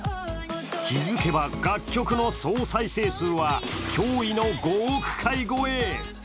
気づけば、楽曲の総再生数は驚異の５億回超え。